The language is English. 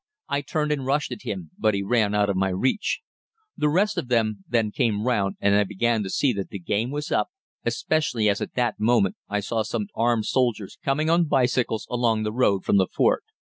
I turned and rushed at him, but he ran out of my reach. The rest of them then came round and I began to see that the game was up, especially as at that moment I saw some armed soldiers coming on bicycles along the road from the fort.